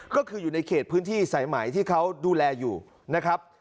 ก็คืออยู่ในเขตพื้นที่สายไหมที่เขาดูแลอยู่นะครับ